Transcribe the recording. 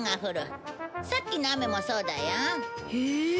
さっきの雨もそうだよ。へえ！